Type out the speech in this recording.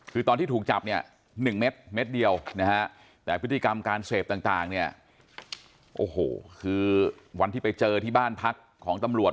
คือตอนที่ถูกจับเนี่ย๑เม็ดเดียวนะฮะแต่พฤติกรรมการเสพต่างเนี่ยโอ้โหคือวันที่ไปเจอที่บ้านพักของตำรวจ